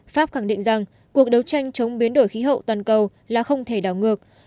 pháp khẳng định rằng cuộc đấu tranh chống biến đổi khí hậu toàn cầu là không thể đảo ngược